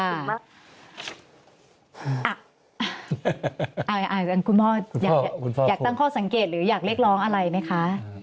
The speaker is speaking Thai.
คุณพ่ออยากตั้งข้อสังเกตหรืออยากเรียกร้องอะไรไหมคะ